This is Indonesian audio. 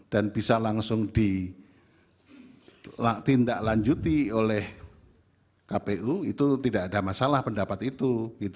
dan bisa langsung ditindaklanjuti oleh kpu itu tidak ada masalah pendapat itu